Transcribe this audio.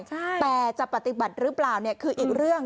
แต่จะปฏิบัติหรือเปล่าเนี่ยคืออีกเรื่อง